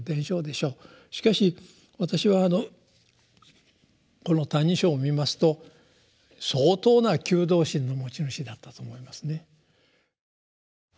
しかし私はこの「歎異抄」を見ますと相当な求道心の持ち主だったと思いますね。